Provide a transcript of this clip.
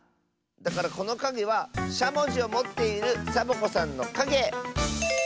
だからこのかげはしゃもじをもっているサボ子さんのかげ！